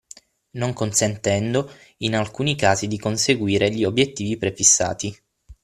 Non consentendo in alcuni casi di conseguire gli obiettivi prefissati.